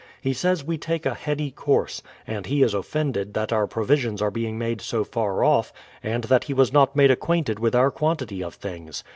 He says we take a heady course ; and he is offended that our provisions are being made so far off, and that he was not made acquainted with our quantity of things.